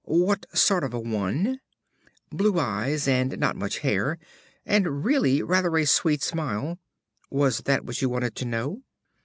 "What sort of a one?" "Blue eyes and not much hair, and really rather a sweet smile.... Was that what you wanted to know?"